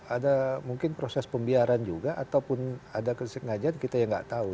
ada mungkin proses pembiaran juga ataupun ada kesengajaan kita yang nggak tahu